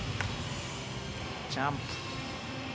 ジャンプ。